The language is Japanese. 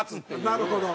なるほど。